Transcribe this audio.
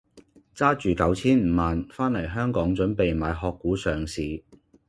揸住九千五萬番黎香港準備買殼股上市。